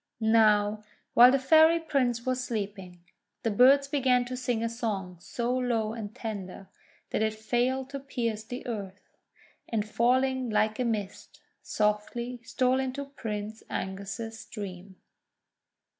Now, while the Fairy Prince was sleeping, the birds began to sing a song so low and tender that it failed to pierce the earth, and falling THE FAIRY SWAN SONG 239 » like a mist, softly stole into Prince Angus's dream.